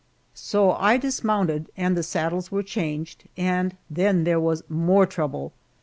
So I dismounted and the saddles were changed, and then there was more trouble.